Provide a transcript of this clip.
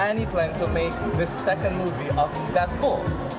ada apa apa pelan untuk membuat film kedua deadpool